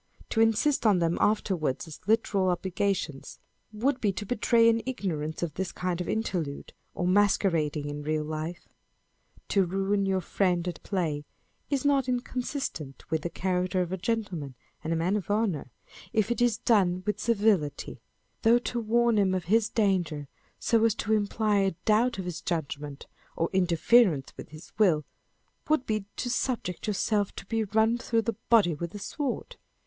To insist on them afterwards as literal obligations, would be to betray an ignorance of this kind of interlude, or masquerading in real life. To ruin your friend at play is not inconsistent with the character of a gentleman and a man of honour, if it is done with civility ; though to warn him of his danger, so as to imply a doubt of his judgment, or interference with his will, would be to subject yourself to be run through the body with a sword.